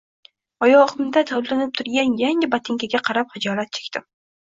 Oyogʻimda tovlanib turgan yangi botinkaga qarab xijolat chekdim